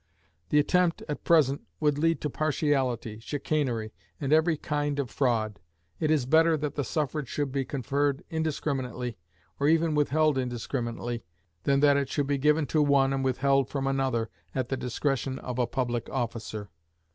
The attempt, at present, would lead to partiality, chicanery, and every kind of fraud. It is better that the suffrage should be conferred indiscriminately, or even withheld indiscriminately, than that it should be given to one and withheld from another at the discretion of a public officer.